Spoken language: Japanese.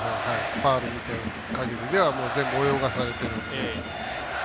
ファウル見ているかぎりでは全部、泳がされています。